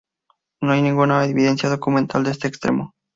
No hay ninguna evidencia documental de este extremo.